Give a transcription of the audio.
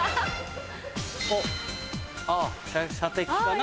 あっあぁ射的かな？